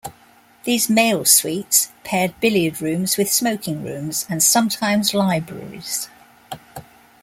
These male suites paired billiard rooms with smoking rooms and sometimes libraries.